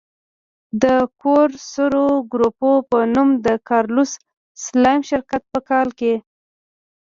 د کورسو ګروپ په نوم د کارلوس سلایم شرکت په کال کې.